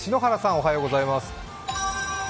おはようございます。